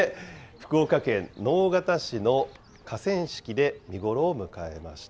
福岡県直方市の河川敷で見頃を迎えました。